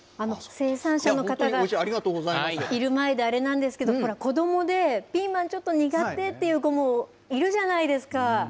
生産者の方がいる前であれなんですが子どもでピーマンが苦手という子もいるじゃないですか。